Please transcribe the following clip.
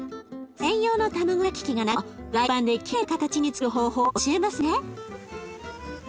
専用の卵焼き器がなくてもフライパンできれいな形につくる方法を教えますね。